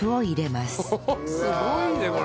すごいねこれ！